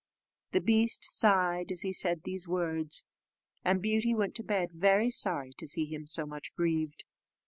The beast sighed as he said these words, and Beauty went to bed very sorry to see him so much grieved.